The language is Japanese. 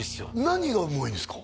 何がうまいんですか？